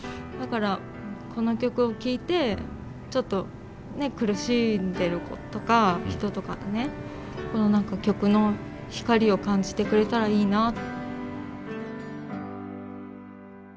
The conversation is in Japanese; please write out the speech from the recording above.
だからこの曲を聴いてちょっとねっ苦しんでる子とか人とかにねこの何か曲の光を感じてくれたらいいな。